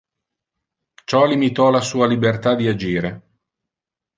Ciò limitò la sua libertà di agire.